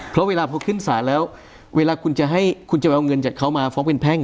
เพราะเวลาพวกเข้าขึ้นศาลแล้วเวลาคุณจะเอาเงินจัดเขามาฟ้องเป็นแพ่ง